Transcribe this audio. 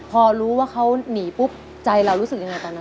พอรู้ว่าเขาหนีปุ๊บใจเรารู้สึกยังไงตอนนั้น